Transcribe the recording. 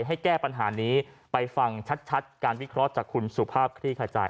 ให้แก้ปัญหานี้ไปฟังชัดการวิเคราะห์จากคุณสุภาพคลี่ขจาย